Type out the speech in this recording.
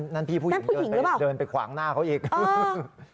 อ้อนั่นพี่ผู้หญิงเดินไปขวางหน้าเขาอีกนั่นผู้หญิงหรือเปล่า